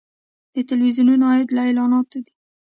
د تلویزیونونو عاید له اعلاناتو دی